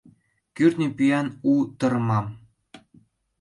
Кӱртньӧ пӱян у тырмам.